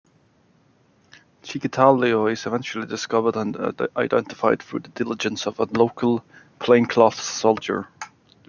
Chikatilo is eventually discovered and identified through the diligence of a local, plainclothes soldier.